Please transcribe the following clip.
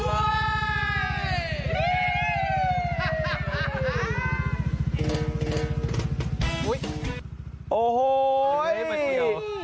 สวัสดี